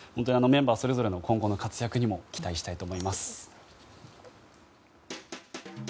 メンバーそれぞれの今後の活躍にも期待したいと思います。